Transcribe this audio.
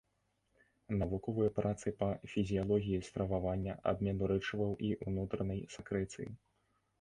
Навуковыя працы па фізіялогіі стрававання, абмену рэчываў і ўнутранай сакрэцыі.